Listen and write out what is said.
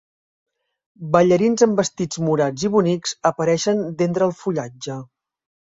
Ballarins amb vestits morats i bonics apareixen d'entre el fullatge.